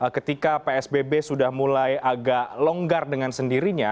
ketika psbb sudah mulai agak longgar dengan sendirinya